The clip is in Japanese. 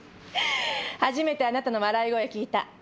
初めてあなたの笑い声聞いた。